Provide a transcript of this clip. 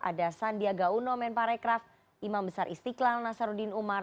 ada sandiaga uno men parekraf imam besar istiqlal nasaruddin umar